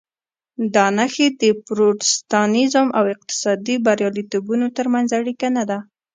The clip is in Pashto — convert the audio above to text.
دا نښې د پروتستانېزم او اقتصادي بریالیتوبونو ترمنځ اړیکه نه ده.